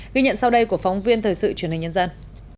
ghi nhận sau đây của phóng viên thời sự truyền hình nhân dân